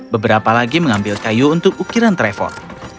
beberapa lagi mengambil kayu untuk ukiran travel